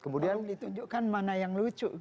kemudian ditunjukkan mana yang lucu